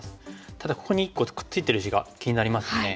ただここに１個くっついてる石が気になりますよね。